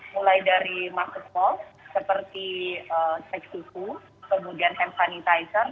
mulai dari masuk mal seperti seksiku kemudian hand sanitizer